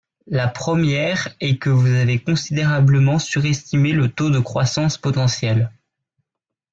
La première est que vous avez considérablement surestimé le taux de croissance potentielle.